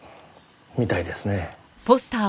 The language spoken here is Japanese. みたいですね。